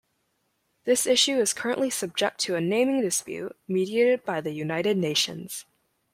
This issue is currently subject to a naming dispute mediated by the United Nations.